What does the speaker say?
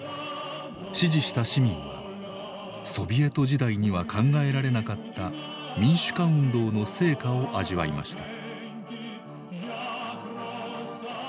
支持した市民はソビエト時代には考えられなかった民主化運動の成果を味わいました。